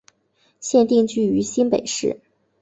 现定居于新北市。